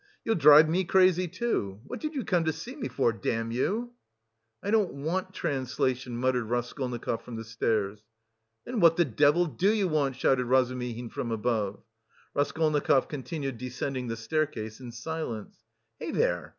You'll drive me crazy too... what did you come to see me for, damn you?" "I don't want... translation," muttered Raskolnikov from the stairs. "Then what the devil do you want?" shouted Razumihin from above. Raskolnikov continued descending the staircase in silence. "Hey, there!